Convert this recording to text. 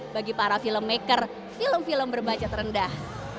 bagi para filmmaker film film berbaca terendah